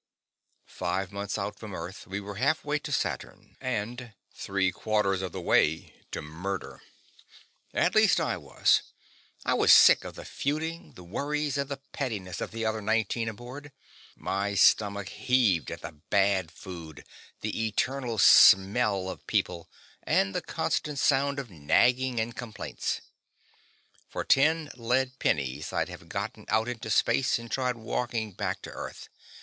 Five months out from Earth, we were half way to Saturn and three quarters of the way to murder. At least, I was. I was sick of the feuding, the worries and the pettiness of the other nineteen aboard. My stomach heaved at the bad food, the eternal smell of people, and the constant sound of nagging and complaints. For ten lead pennies, I'd have gotten out into space and tried walking back to Earth.